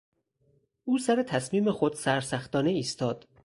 او سر تصمیم خود سرسختانه ایستاد.